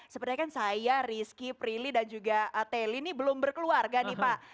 sebenarnya kan saya rizky prilly dan juga teli ini belum berkeluarga nih pak